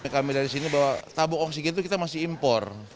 kami dari sini bahwa tabung oksigen itu kita masih impor